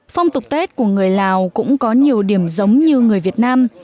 phong tục tết của người lào cũng có nhiều điểm giống như người việt nam